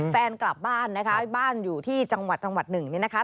กลับบ้านนะคะบ้านอยู่ที่จังหวัดจังหวัดหนึ่งนี่นะคะ